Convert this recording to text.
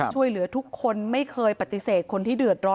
ช่วยเหลือทุกคนไม่เคยปฏิเสธคนที่เดือดร้อน